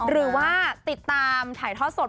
หรือว่าติดตามถ่ายทอดสด